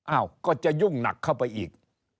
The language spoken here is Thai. อ้าวก็จะยุ่งหนักเข้าไปอีก